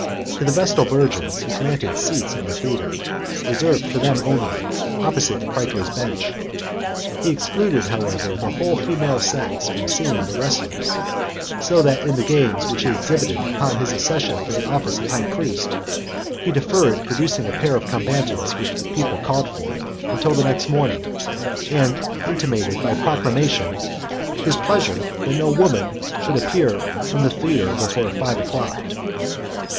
To the vestal virgins he granted seats in the theatre, reserved for them only, opposite the praetor's bench. He excluded, however, the whole female sex from seeing the wrestlers: so that in the games which he exhibited upon his accession to the office of high priest, he deferred producing a pair of combatants which the people called for, until the next morning; and intimated by proclamation, "his pleasure that no woman should appear in the theatre before five o'clock."